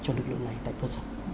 cho lực lượng này tại cơ sở